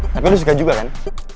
tapi lo suka juga kan